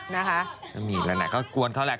ไม่มีอะไรนะก็กวนเขาแหละ